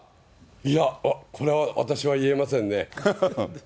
いや、これは私は言えませんね。